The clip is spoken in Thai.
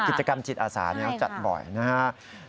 กิจกรรมจิตอาสาจัดบ่อยนะครับ